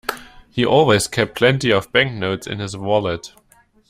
He always kept plenty of banknotes in his wallet